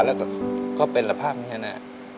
แล้วก็เป็นแหละภาพนี้เนี่ยนะ